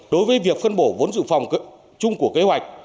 đối với việc phân bổ vốn dự phòng chung của kế hoạch